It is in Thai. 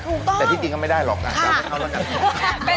ถูกต้องแต่ที่จริงเขาไม่ได้หรอกจำให้เขาแล้วกัน